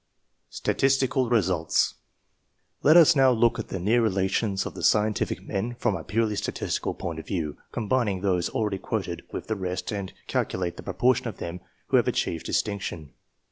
STATISTICAL RESULTS. Let us now look at the near relations of the scientific men from a purely statistical point of view, combining those already quoted with the rest, and calculate the proportion of them who have achieved distinction.